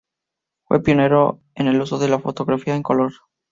Fue pionero en el uso de la fotografía en color.